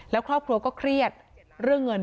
แล้วครอบครัวก็เครียดเรื่องเงิน